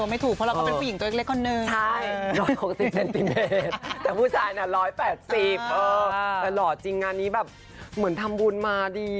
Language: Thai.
หล่อจริงงานนี้แบบเหมือนทำบุญมาดี